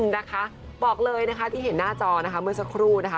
นะคะบอกเลยนะคะที่เห็นหน้าจอนะคะเมื่อสักครู่นะคะ